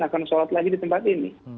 akan sholat lagi di tempat ini